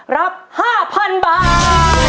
รับ๕๐๐๐บาท